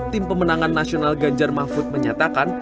tim pemenangan nasional ganjar mahfud menyatakan